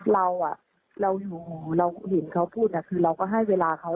แล้วคือเราอยู่เราเห็นเขาพูดเราก็ให้เวลาเขา